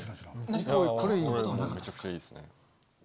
何か変わったことはなかったですか？